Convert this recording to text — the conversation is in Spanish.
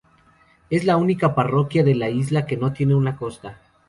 Es la única parroquia de la isla que no tiene una costa.